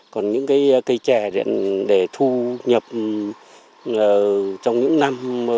còn những cái cây trẻ thì để thu nhập trong những năm